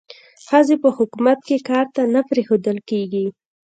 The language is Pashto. ښځې په حکومت کې کار ته نه پریښودل کېږي.